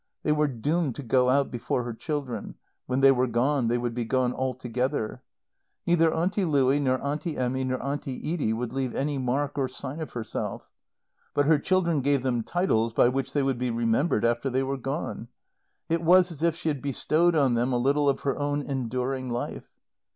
They were doomed to go out before her children; when they were gone they would be gone altogether. Neither Auntie Louie, nor Auntie Emmy, nor Auntie Edie would leave any mark or sign of herself. But her children gave them titles by which they would be remembered after they were gone. It was as if she had bestowed on them a little of her own enduring life.